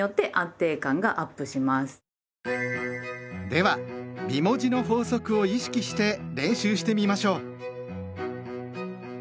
では美文字の法則を意識して練習してみましょう！